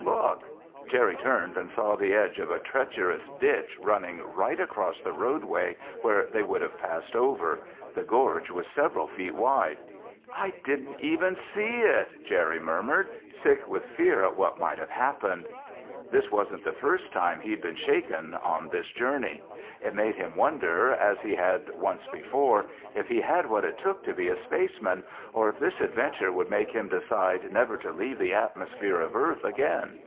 "Look." Jerry turned and saw the edge of a treacherous ditch running right across the roadway where they would have passed over. The gorge was several feet wide. "I didn't even see it," Jerry murmured, sick with fear at what might have happened. This wasn't the first time he'd been shaken on this journey. It made him wonder as he had once before if he had what it took to be a space man, or if this adventure would make him decide never to leave the atmosphere of Earth again.